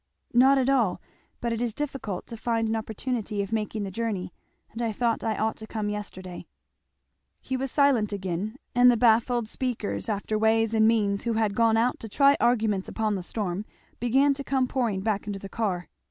"Not at all, but it is difficult to find an opportunity of making the journey, and I thought I ought to come yesterday." He was silent again; and the baffled seekers after ways and means who had gone out to try arguments upon the storm, began to come pouring back into the car.